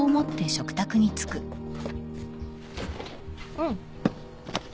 うん。